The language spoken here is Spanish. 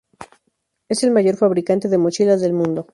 Es el mayor fabricante de mochilas del mundo.